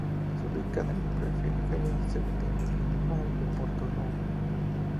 Se ubica en la periferia septentrional de Porto Novo.